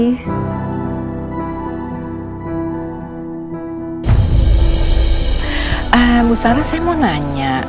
ibu sari saya mau nanya